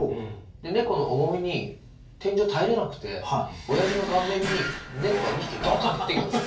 猫の重みに天井耐えれなくておやじの顔面に猫が２匹ドカンって降ってきまして。